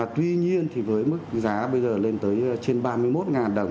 tuy nhiên thì với mức giá bây giờ lên tới trên ba mươi một đồng